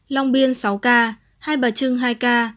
long biên sáu ca hai bà trưng hai ca